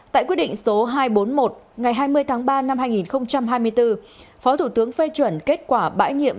tại quyết định số hai trăm bốn mươi một ngày hai mươi tháng ba năm hai nghìn hai mươi bốn phó thủ tướng phê chuẩn kết quả bãi nhiệm